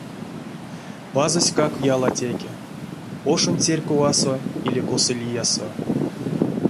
Пазоськак ялатеке: ошонь церьковасо или косо лиясо.